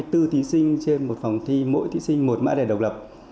hai mươi bốn thí sinh trên một phòng thi mỗi thí sinh một mã đẻ độc lập